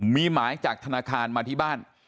มีหมายจากธนาคารมาที่บ้าน